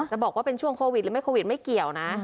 บอกว่าเป็นช่วงโควิดหรือไม่โควิดไม่เกี่ยวนะ